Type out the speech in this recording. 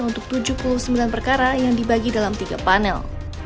untuk tujuh puluh sembilan perkara yang dibagi dalam tiga panel